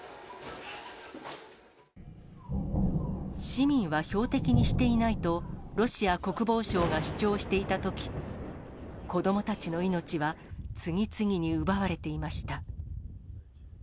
市民は標的にしていないと、ロシア国防省が主張していたとき、子どもたちの命は次々に奪われていました。